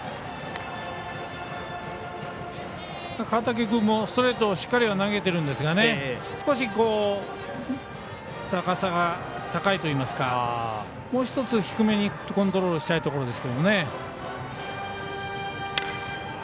川竹君もストレートしっかり投げているんですが少し、高さが高いといいますかもう一つ低めにコントロールしたいところですけどね。